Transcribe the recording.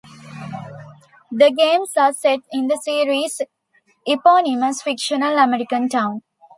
The games are set in the series' eponymous fictional American town.